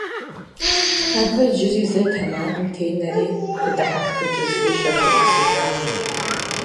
Тот еще раз подавился, хихикнул и послушно смолк.